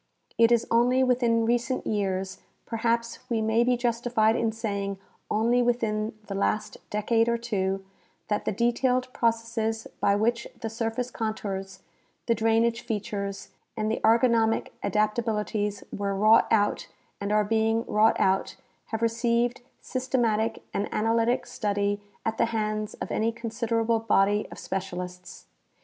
It is only within recent years, perhaps we may be justified in sa}^ ing only within the last decade or two, that the detailed pro cesses by which the surface contours, the drainage features, and the agronomic adaptabilities were wrought out and are being wrought out, have received systematic and anal3^tic study at the hands of any considerable body of specialists.